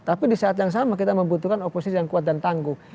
tapi di saat yang sama kita membutuhkan oposisi yang kuat dan tangguh